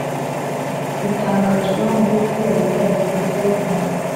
ritangarijweho mu Igazeti ya Leta ya Repubulika y urwanda